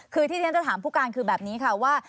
คือที่ที่ฉันจะถามผู้การคือแบบนี้ค่ะว่า